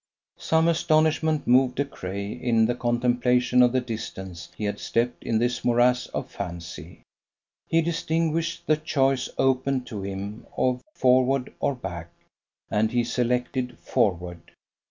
Some astonishment moved De Craye in the contemplation of the distance he had stepped in this morass of fancy. He distinguished the choice open to him of forward or back, and he selected forward.